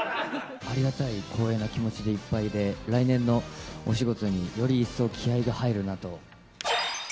ありがたい光栄な気持ちでいっぱいで、来年のお仕事により一層気合いが入るなと。